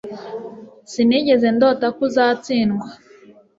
Sinigeze ndota ko uzatsindwa